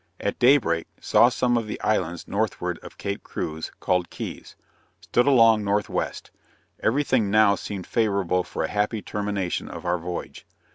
At daybreak saw some of the islands northward of Cape Cruz, called Keys stood along northwest; every thing now seemed favorable for a happy termination of our voyage.